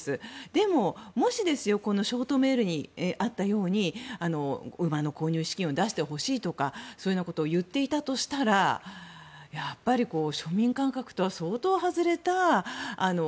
でも、もしショートメールにあったように馬の購入資金を出してほしいとかそういうようなことを言っていたとしたらやっぱり、庶民感覚とは相当外れた。